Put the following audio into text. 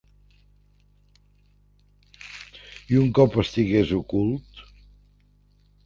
I un cop estigués ocult?